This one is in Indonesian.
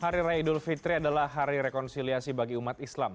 hari raya idul fitri adalah hari rekonsiliasi bagi umat islam